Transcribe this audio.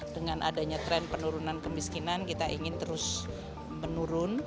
dengan adanya tren penurunan kemiskinan kita ingin terus menurun